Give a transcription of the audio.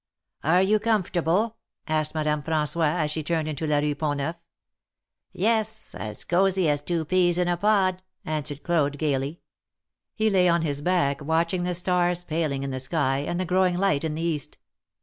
"Are you comfortable?" asked Madame Fran9ois, as she turned into la Rue Pont Neuf. "Yes; as cosy as two peas in a pod," answered Claude, gayly. He lay on his back, watching the stars paling in the sky, and the growing light in the east.